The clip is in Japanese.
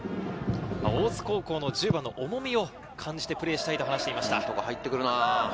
大津高校の１０番の重みを感じてプレーしたいと話していました。